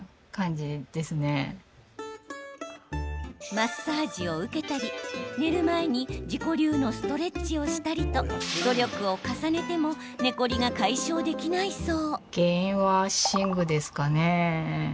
マッサージを受けたり、寝る前に自己流のストレッチをしたりと努力を重ねても寝コリが解消できないそう。